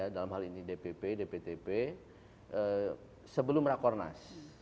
dalam hal ini dpp dptp sebelum rakornas